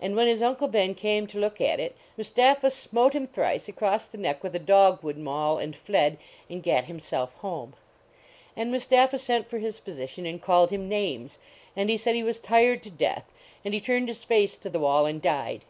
And when his Uncle Ben came to look at it Mustapha smote him thrice across the neck with a dog wood maul and fled, and gat him self home. And Mustapha sent for his physician and called him names. And he said he was tired to death ; and he turned his face to the wall and died.